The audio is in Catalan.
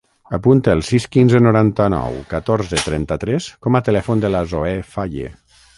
Apunta el sis, quinze, noranta-nou, catorze, trenta-tres com a telèfon de la Zoè Faye.